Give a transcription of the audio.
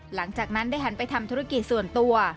หลังจากนั้นได้หันไปทำธุรกิจส่วนตัว